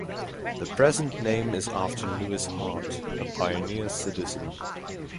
The present name is after Louis Hart, a pioneer citizen.